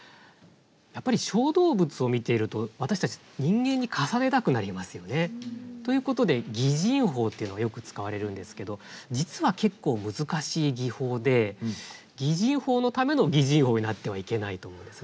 やっぱり小動物を見ていると私たち人間に重ねたくなりますよね。ということで擬人法っていうのがよく使われるんですけど実は結構難しい技法で擬人法のための擬人法になってはいけないと思うんですね。